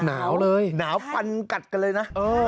หนาวเลยหนาวฟันกัดกันเลยนะ